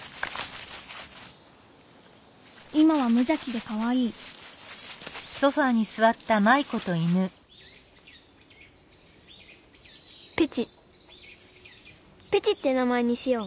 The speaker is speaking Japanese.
今はむじゃきでかわいいペチペチって名前にしよう！